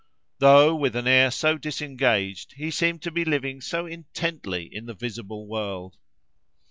—Though with an air so disengaged, he seemed to be living so intently in the visible world!